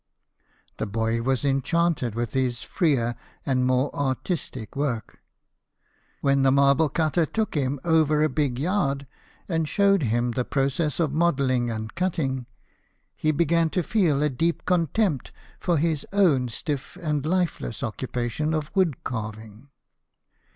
The boy was en chanted with his freer and more artistic work ; when the marble cutter took him over a big yard, and showed him the process of modelling and cutting, he began to feel a deep contempt for his own stiff and lifeless occupation of wood carving.